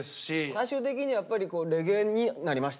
最終的にやっぱりレゲエになりました。